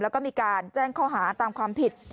และมีการแจ้งเข้าหาตามความผิด